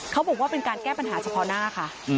เขาบอกว่าเป็นการแก้ปัญหาเฉพาะหน้าค่ะ